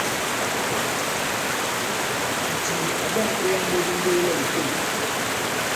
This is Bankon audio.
Ǹcìì à ɓɔ̂ŋ ìwaŋge di ndoolɛ ì pěn.